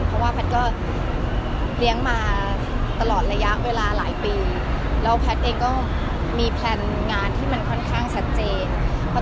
เพราะว่าแพทย์ก็เลี้ยงมาตลอดระยะเวลาหลายปีแล้วแพทย์เองก็มีแพลนงานที่มันค่อนข้างชัดเจน